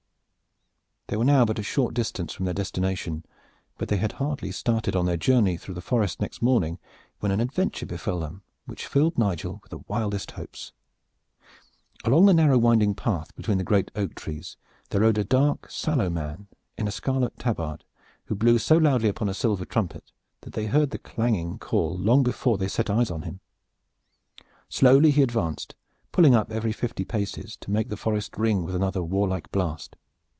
They were now but a short distance from their destination; but they had hardly started on their journey through the forest next morning, when an adventure befell them which filled Nigel with the wildest hopes. Along the narrow winding path between the great oak trees there rode a dark sallow man in a scarlet tabard who blew so loudly upon a silver trumpet that they heard the clanging call long before they set eyes on him. Slowly he advanced, pulling up every fifty paces to make the forest ring with another warlike blast.